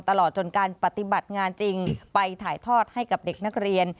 ตลอดจนการปฏิบัติงานจริงไปถ่ายทอดให้กับเด็กนักเรียน